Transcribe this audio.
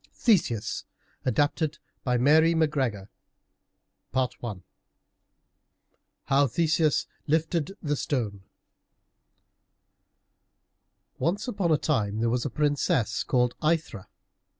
THESEUS ADAPTED BY MARY MACGREGOR I HOW THESEUS LIFTED THE STONE Once upon a time there was a Princess called Aithra.